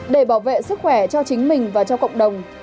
để bảo vệ sức khỏe cho chính mình và cho cộng đồng